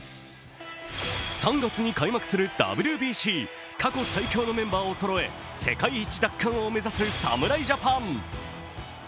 ３月に開幕するＷＢＣ、過去最強のメンバーをそろえ世界一奪還を目指す侍ジャパン。